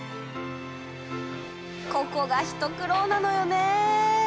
ここが一苦労なのよね。